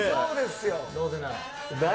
どうせなら。